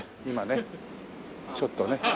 今ねちょっとね。